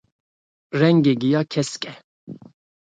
Rengê giya kesk e